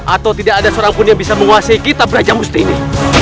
atau tidak ada seorang pun yang bisa menguasai kitab raja musti ini